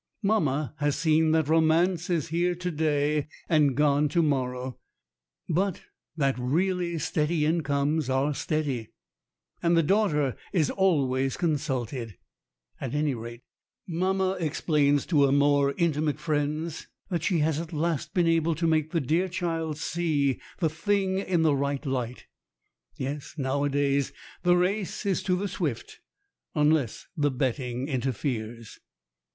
Mamma has seen that romance is here to day and gone to morrow, but that really steady incomes are steady. And the daughter is always consulted. At any rate, mamma explains to her more intimate friends that she has at last been able to make the dear child see the thing in the right light. Yes, nowadays the race is to the swift, unless the betting interferes.